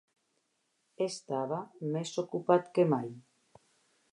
Estava més ocupat que mai!